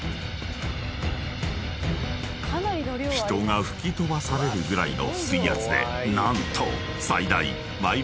［人が吹き飛ばされるぐらいの水圧で何と］